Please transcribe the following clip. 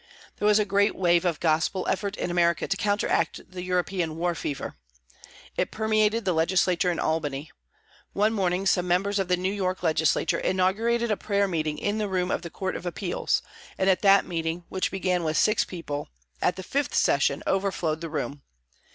There was a great wave of Gospel effort in America to counteract the European war fever. It permeated the legislature in Albany. One morning some members of the New York legislature inaugurated a prayer meeting in the room of the Court of Appeals, and that meeting, which began with six people, at the fifth session overflowed the room.